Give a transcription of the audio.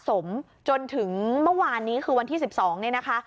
สมจนถึงเมื่อวานนี้คือวันที่๑๒เนี่ยนะคะ